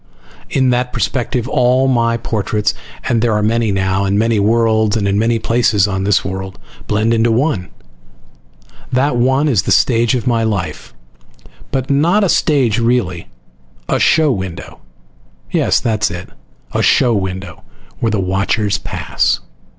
In that perspective all my portraits (and there are many now, on many worlds and in many places on this world!) blend into one. That one is the stage of my life. But not a stage, really. A show window. Yes, that is it. A show window, where the watchers pass.